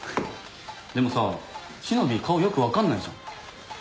でもさしのびぃ顔よく分かんないじゃん。